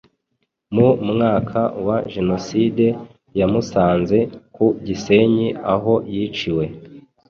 Mu mwaka wa Jenoside yamusanze ku Gisenyi aho yiciwe